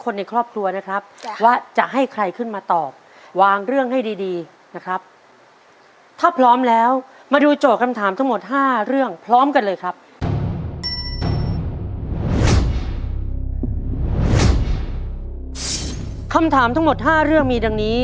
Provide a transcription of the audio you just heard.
ใน๕เรื่องเนี่ย